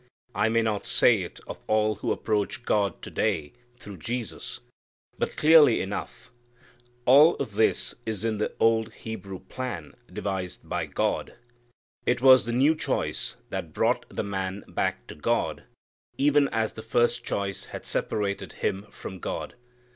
I may not say it of all who approach God to day through Jesus. But clearly enough, all of this is in the old Hebrew plan devised by God. It was the new choice that brought the man back to God, even as the first choice had separated him from God.